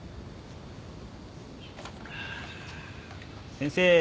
先生